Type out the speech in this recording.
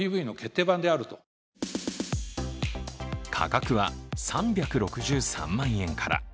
価格は３６３万円から。